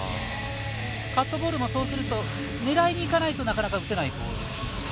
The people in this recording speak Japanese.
カットボールも狙いにいかないとなかなか打てないボール？